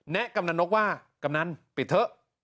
แนะกำหนังนกว่ากำนั้นปิดเถอะ